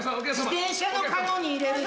自転車のカゴに入れる人。